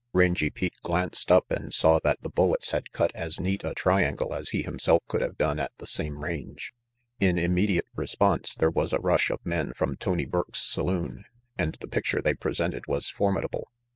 Rangy Pete glanced up and saw that the bullets had cut as neat a triangle as he himself could have done at the same range. In immediate response, there was a rush of men from Tony Burke's saloon, and the picture they presented was formidable.